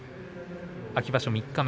秋場所三日目